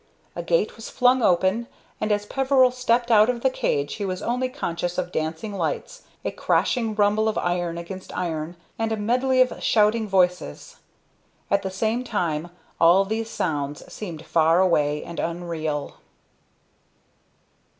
A gate was flung open, and as Peveril stumbled out of the cage he was only conscious of dancing lights, a crashing rumble of iron against iron, and a medley of shouting voices. At the same time all these sounds seemed far away and unreal.